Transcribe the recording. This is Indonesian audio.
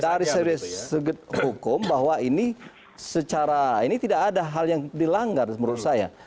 dari segi hukum bahwa ini secara ini tidak ada hal yang dilanggar menurut saya